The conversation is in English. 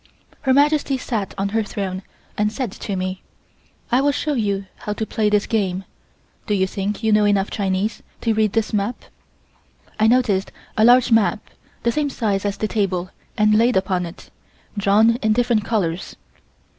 Her Majesty sat on her throne and said to me: "I will show you how to play this game. Do you think you know enough Chinese to read this map?" I noticed a large map, the same size as the table, and laid upon it, drawn in different colors.